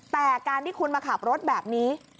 แต่การที่คุณมาขับรถแบบนี้